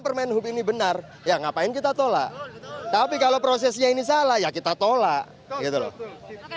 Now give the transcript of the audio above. permen hub ini benar ya ngapain kita tolak tapi kalau prosesnya ini salah ya kita tolak gitu loh